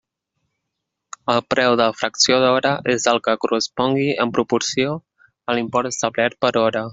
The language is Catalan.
El preu de la fracció d'hora és el que correspongui en proporció a l'import establert per hora.